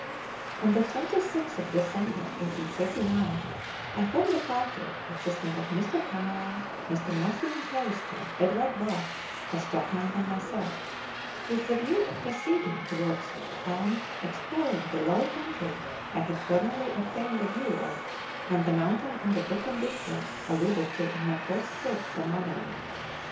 On the 26th of December 1839 I formed a party, consisting of Mr. Cameron, Mr. Matthew Macalister, Edward Bath, a stock man, and myself, with the view of proceeding towards and explor ing the low country I had formerly obtained a view of from the mountain in the Buchan district alluded to in my first trip from Maneroo.